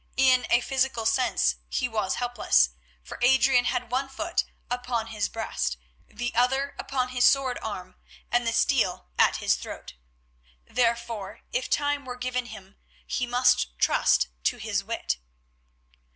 In a physical sense he was helpless, for Adrian had one foot upon his breast, the other upon his sword arm, and the steel at his throat. Therefore if time were given him he must trust to his wit.